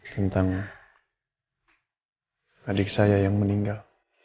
tentang adik saya yang meninggal